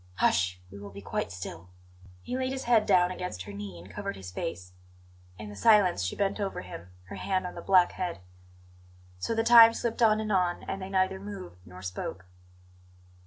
Hush! We will be quite still." He laid his head down against her knee and covered his face. In the silence she bent over him, her hand on the black head. So the time slipped on and on; and they neither moved nor spoke.